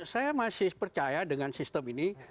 saya masih percaya dengan sistem ini